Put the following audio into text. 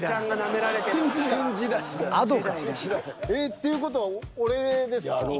っていう事は俺ですか？